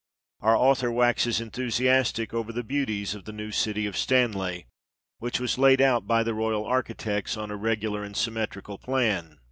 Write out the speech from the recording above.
Our author waxes enthusiastic over the beauties of the new city of Stanley, which was laid out by the royal architects on a regular and symmetrical plan.